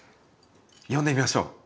呼んでみましょう。